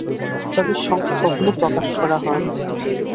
তাদের সংখ্যা কখনো প্রকাশ করা হয় না।